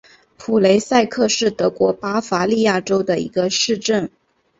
普雷塞克是德国巴伐利亚州的一个市镇。